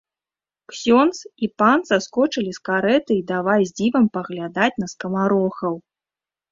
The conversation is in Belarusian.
Ксёндз і пан саскочылі з карэты і давай з дзівам паглядаць на скамарохаў.